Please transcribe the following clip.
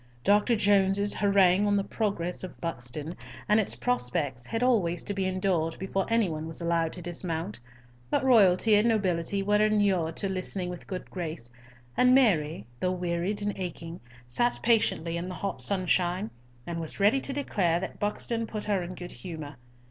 Dr. Jones's harangue on the progress of Buxton and its prospects had always to be endured before any one was allowed to dismount; but royalty and nobility were inured to listening with a good grace, and Mary, though wearied and aching, sat patiently in the hot sunshine, and was ready to declare that Buxton put her in good humour.